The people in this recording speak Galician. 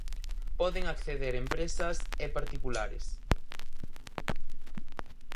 Poden acceder empresas e particulares.